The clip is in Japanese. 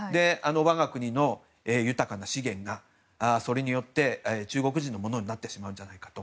我が国の豊かな資源がそれによって中国人のものになってしまうんじゃないかと。